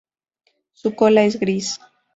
Su cola es gris.